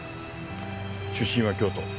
出身は京都。